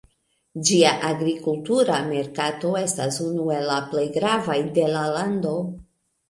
Ĝia agrikultura merkato estas unu el la plej gravaj de la lando.